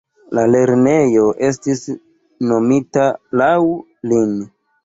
La lernejo estis nomita laŭ lin.